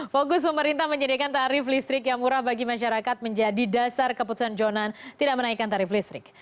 fokus pemerintah menjadikan tarif listrik yang murah bagi masyarakat menjadi dasar keputusan jonan tidak menaikkan tarif listrik